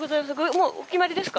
もうお決まりですか？